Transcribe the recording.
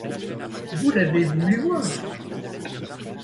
Vous l’avez voulu voir !